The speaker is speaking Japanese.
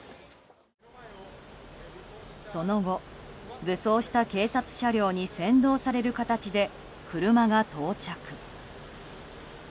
その後、武装した警察車両に先導される形で車が到着。